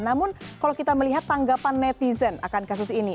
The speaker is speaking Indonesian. namun kalau kita melihat tanggapan netizen akan kasus ini